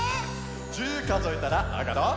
１０かぞえたらあがろう。